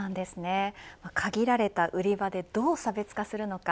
限られた売り場でどう差別化するのか。